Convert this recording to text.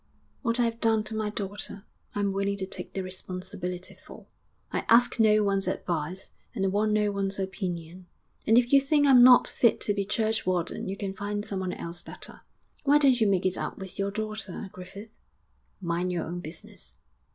'What I've done to my daughter, I'm willing to take the responsibility for; I ask no one's advice and I want no one's opinion; and if you think I'm not fit to be churchwarden you can find someone else better.' 'Why don't you make it up with your daughter, Griffith?' 'Mind your own business!'